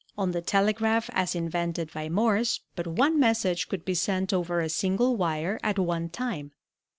On the telegraph as invented by Morse but one message could be sent over a single wire at one time.